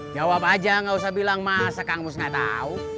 jawab aja gak usah bilang masa kangus gak tau